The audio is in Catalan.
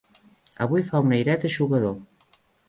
Avui fa un airet eixugador.